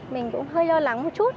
mình cũng hơi lo lắng một chút